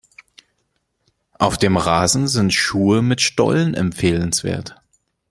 Auf dem Rasen sind Schuhe mit Stollen empfehlenswert.